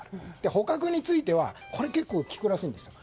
捕獲については結構効くらしいですよ。